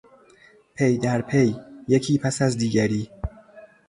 پی در پی، یکی پس از دیگری